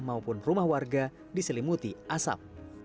maupun rumah warga diselimuti asap